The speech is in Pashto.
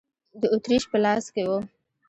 د اتریش په لاس کې و.